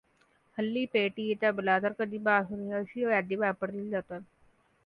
हल्ली पेटी तबला तर कधी बासरी अशी वाद्ये वापरली जातात.